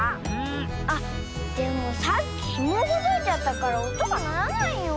あっでもさっきひもをほどいちゃったからおとがならないよ。